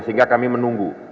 sehingga kami menunggu